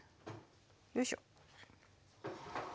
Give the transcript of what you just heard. よいしょ。